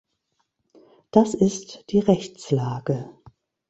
Das ist die Rechtslage.